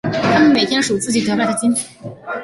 他们每天数自己得来的金子。